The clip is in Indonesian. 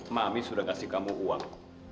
mami sudah kasih kamu uang